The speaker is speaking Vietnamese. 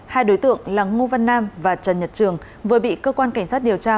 hai đối tượng là ngô văn nam và trần nhật trường vừa bị cơ quan cảnh sát điều tra